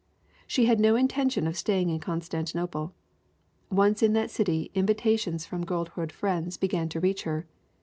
She had no in tention of staying in Constantinople. Once in that city invitations from girlhood friends began to reach her.